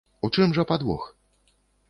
У чым жа падвох?